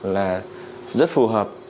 là rất phù hợp